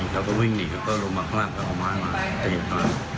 เขาก็วิ่งหนีก็ลุมมาข้างต่อมาเอาไม้ล่ะนะครับ